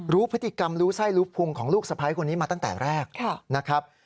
รู้พฤติกรรมรู้ไส้รู้พุงของลูกสะพ้ายคนนี้มาตั้งแต่แรกนะครับ